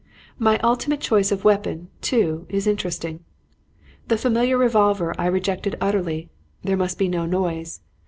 My ultimate choice of weapon, too, is interesting. The familiar revolver I rejected utterly. There must be no noise.